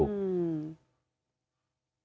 หือ